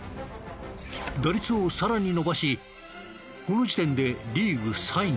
打率を更に伸ばしこの時点でリーグ３位。